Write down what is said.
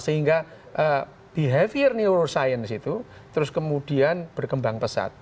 sehingga behavior neuroscience itu terus kemudian berkembang pesat